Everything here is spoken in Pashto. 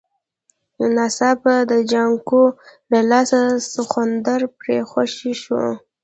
ناڅاپه د جانکو له لاسه د سخوندر پړی خوشی شو.